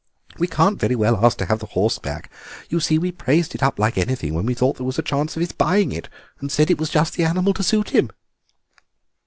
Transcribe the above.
We can't very well ask to have the horse back; you see, we praised it up like anything when we thought there was a chance of his buying it, and said it was just the animal to suit him."